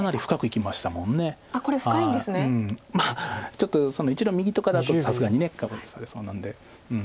ちょっとその１路右とかだとさすがにガブッとされそうなんで。